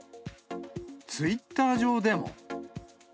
ツイッター上でも。